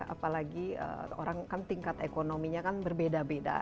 apalagi orang kan tingkat ekonominya kan berbeda beda